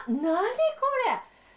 何これ！？